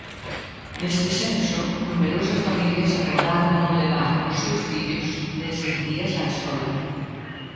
Neste senso, numerosas familias acordaron non levar os seus fillos neses días á escola.